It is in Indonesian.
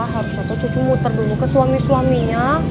harusnya tuh cucu muter dulu ke suami suaminya